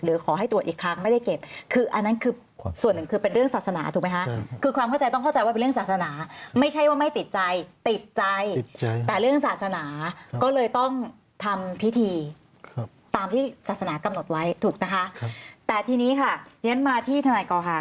หรือขอให้ตรวจอีกครั้งไม่ได้เก็บคืออันนั้นคือส่วนหนึ่ง